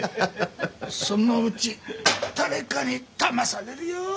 そのうち誰かにだまされるよ。